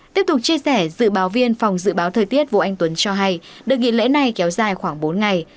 tiếp tục chia sẻ dự báo viên phòng dự báo thời tiết vũ anh tuấn cho hay đợt nghỉ lễ này kéo dài khoảng bốn ngày